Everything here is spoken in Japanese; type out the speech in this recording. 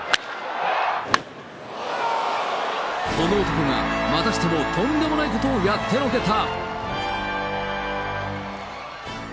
この男がまたしてもとんでもないことをやってのけた。